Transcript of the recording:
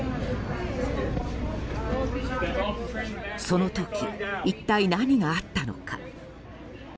その時、一体何があったのか。